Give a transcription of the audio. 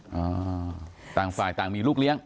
อ่าต่างฝ่ายต่างมีลูกเลี้ยง